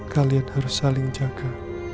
kalian harus saling jaga